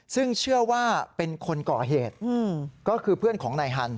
ซึ่งเชื่อว่าเป็นคนก่อเหตุก็คือเพื่อนของนายฮัน